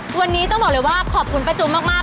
วันนี้ต้องบอกเลยว่าขอบคุณป้าจุมมาก